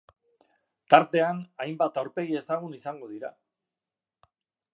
Tartean, hainbat aurpegi ezagun izango dira.